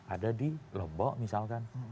ada di lombok misalkan